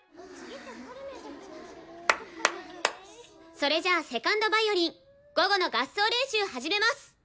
それじゃあ２ｎｄヴァイオリン午後の合奏練習始めます。